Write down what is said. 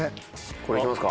これいきますか。